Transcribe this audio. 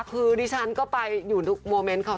คือดิฉันก็ไปอยู่ทุกโมเมนต์เขา